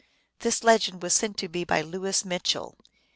This legend was sent to me by Louis Mitchell.